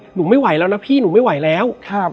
หนูไม่ไหวแล้วนะพี่หนูไม่ไหวแล้ว